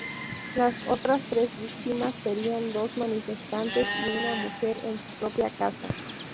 Las otras tres víctimas serían dos manifestantes y una mujer en su propia casa.